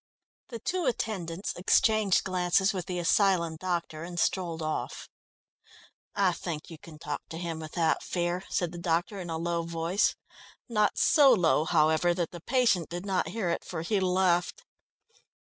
The two attendants exchanged glances with the asylum doctor and strolled off. "I think you can talk to him without fear," said the doctor in a low voice, not so low, however, that the patient did not hear it, for he laughed.